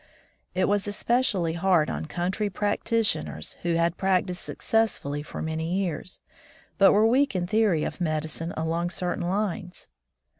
It was especially hard on country practitioners who had prac tised successfully for many years, but were weak in theory of medicine along certain lines.